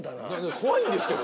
怖いんですけど。